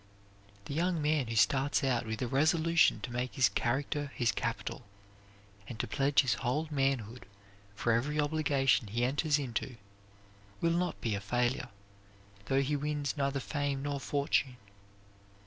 The young man who starts out with the resolution to make his character his capital, and to pledge his whole manhood for every obligation he enters into, will not be a failure, though he wins neither fame nor fortune.